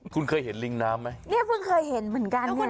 คุณเคยเห็นลิงน้ำไหมนี่คุณเคยเห็นเหมือนกันเนี่ยนะ